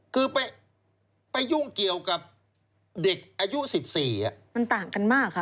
คือไปยุ่งเกี่ยวกับเด็กอายุ๑๔มันต่างกันมากค่ะ